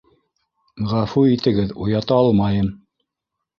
Ғәфү итегеҙ, уята алмайым!